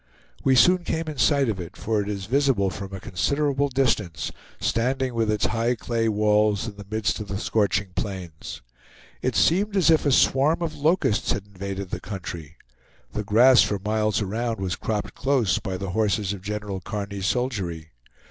We soon came in sight of it, for it is visible from a considerable distance, standing with its high clay walls in the midst of the scorching plains. It seemed as if a swarm of locusts had invaded the country. The grass for miles around was cropped close by the horses of General Kearny's soldiery.